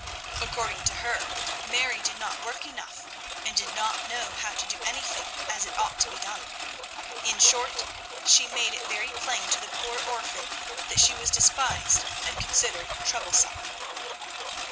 According to her, Mary did not work enough and did not know how to do anything as it ought to be done. In short, she made it very plain to the poor orphan that she was despised and considered troublesome.